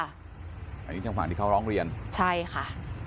อันนี้ทางฝั่งที่เขาร้องเรียนใช่ค่ะ